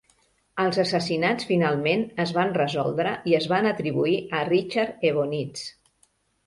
Els assassinats finalment es van resoldre i es van atribuir a Richard Evonitz.